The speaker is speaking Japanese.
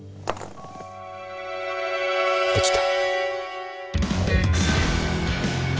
できた。